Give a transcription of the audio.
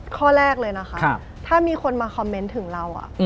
ข้อแรกเลยนะคะถ้ามีคนมาคอมเมนต์ถึงเรา